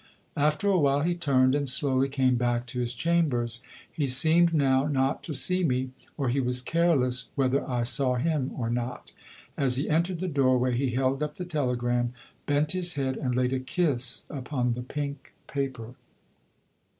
After a while he turned and slowly came back to his chambers. He seemed now not to see me; or he was careless whether I saw him or not. As he entered the doorway he held up the telegram, bent his head and laid a kiss upon the pink paper.